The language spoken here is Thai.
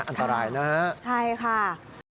อันตรายนะฮะใช่ค่ะ